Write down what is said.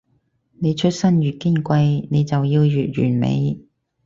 你出身越矜貴，你就要越完美